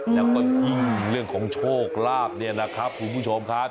แล้วก็ยิ่งเรื่องของโชคลาภเนี่ยนะครับคุณผู้ชมครับ